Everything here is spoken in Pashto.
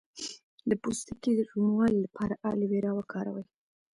د پوستکي روڼوالي لپاره ایلوویرا وکاروئ